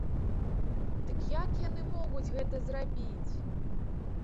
Дый як яны могуць гэта зрабіць?